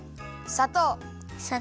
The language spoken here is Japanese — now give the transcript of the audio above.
さとう。